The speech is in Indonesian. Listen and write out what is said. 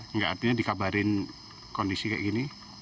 enggak artinya dikabarin kondisi kayak gini